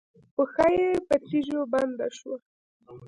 پښه یې په تيږو بنده شوه.